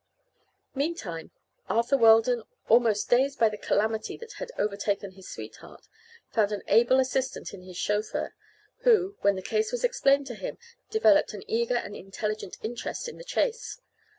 Meantime Arthur Weldon, almost dazed by the calamity that had overtaken his sweetheart, found an able assistant in his chauffeur, who, when the case was explained to him, developed an eager and intelligent interest in the chase.